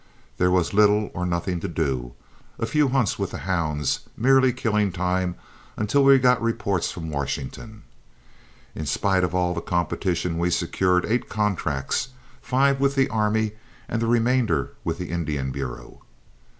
There was little or nothing to do, a few hunts with the hounds merely killing time until we got reports from Washington. In spite of all competition we secured eight contracts, five with the army and the remainder with the Indian Bureau.